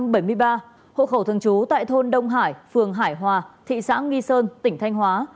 năm một nghìn chín trăm bảy mươi ba hộ khẩu thường chú tại thôn đông hải phường hải hòa thị xã nghi sơn tỉnh thanh hóa